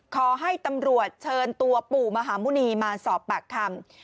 ขอให้ตำรวจเชิญตัวปู่มหาหมุณีมาสอบปากคำ